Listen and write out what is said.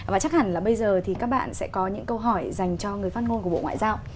và chắc hẳn là bây giờ thì các bạn sẽ có những câu hỏi dành cho người phát ngôn của bộ ngoại giao